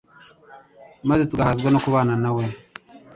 maze tugahazwa no kubana na we.